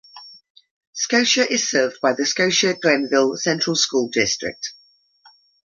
Scotia is served by the Scotia-Glenville Central School District.